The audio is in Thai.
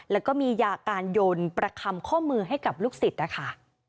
แล้วก็มียาการยนต์ประคำข้อมือให้กับลูกศิษย์นะคะ